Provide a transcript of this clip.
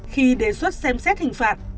khi đề xuất xem xét hình phạt